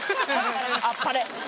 あっぱれ。